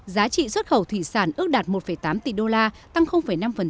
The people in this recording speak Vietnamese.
giá trị xuất khẩu thủy sản ước đạt một tám tỷ đô la tăng năm